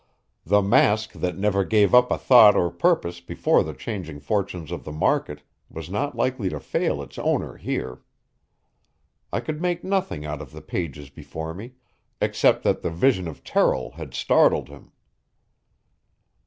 The mask that never gave up a thought or purpose before the changing fortunes of the market was not likely to fail its owner here. I could make nothing out of the page before me, except that the vision of Terrill had startled him.